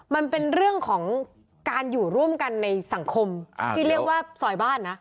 มันเป็นเรื่องของการอยู่ร่วมกันในสังคมที่เรียกว่าซอยบ้านนะ